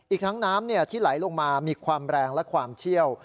อีกทั้งน้ำที่ไหลลงมามีความแรงและความเชี่ยว